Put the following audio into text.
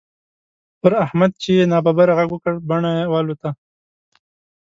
پر احمد چې يې ناببره غږ وکړ؛ بڼه يې والوته.